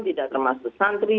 tidak termasuk santri